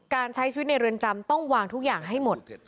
การใช้ชีวิตในเรือนจำต้องวางทุกอย่างให้หมด